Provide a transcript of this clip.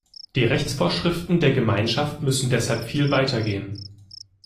Die Rechtsvorschriften der Gemeinschaft müssen deshalb viel weiter gehen.